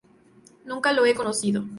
Nunca lo he conocido.